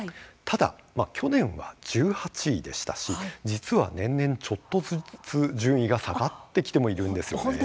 ただ、去年は１８位でしたし実は年々ちょっとずつ順位が下がってきてもいるんですよね。